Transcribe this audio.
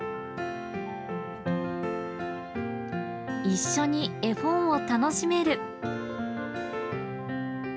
一緒に絵本を楽しめる。